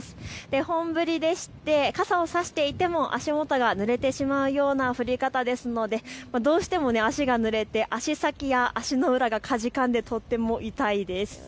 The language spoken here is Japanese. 本降りでして、傘を差していても足元がぬれてしまうような降り方ですのでどうしても足がぬれて足先や足の裏がかじかんでとっても痛いです。